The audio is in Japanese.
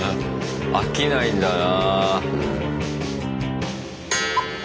飽きないんだな。